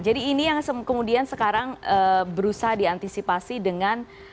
jadi ini yang kemudian sekarang berusaha diantisipasi dengan